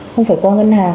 không phải qua ngân hàng